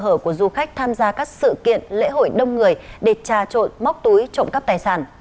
thủ đoạn lợi dụng sơ hợp của du khách tham gia các sự kiện lễ hội đông người để trà trộn móc túi trộm cắp tài sản